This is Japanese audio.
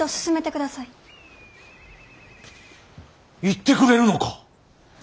行ってくれるのか。